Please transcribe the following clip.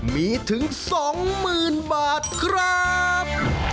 มีถึง๒๐๐๐บาทครับ